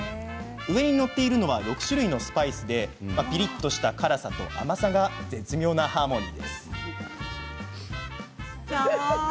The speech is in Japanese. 上に載っているのは６種類のスパイスでピリっとした辛さと甘さが絶妙なハーモニー。